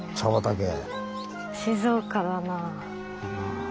静岡だなあ。